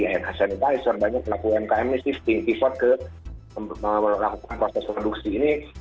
air sanitizer banyak pelaku umkm ini shifting pivot ke melakukan proses produksi ini